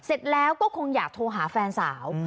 เสร็จแล้วก็คงอยากโทรหาแฟนสาว